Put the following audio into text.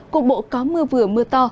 cục bộ có mưa vừa mưa to